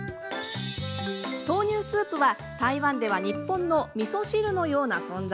豆乳スープは、台湾では日本のみそ汁のような存在。